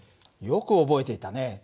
よく覚えていたね。